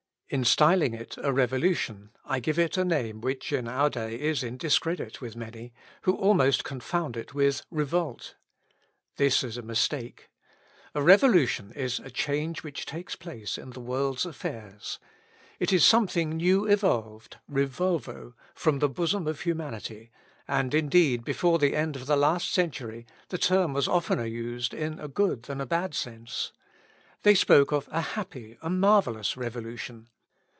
In styling it a Revolution, I give it a name which in our day is in discredit with many, who almost confound it with revolt. This is a mistake. A revolution is a change which takes place in the world's affairs. It is something new evolved (revolvo) from the bosom of humanity; and, indeed, before the end of the last century, the term was oftener used in a good than a bad sense. They spoke of "a happy," a "marvellous" revolution.